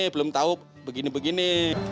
belum tahu begini begini